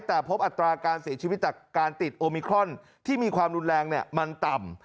แต่พบอัตราการเสียชีวิตจากการติดโอมิครอนที่มีความรุนแรงมันต่ำ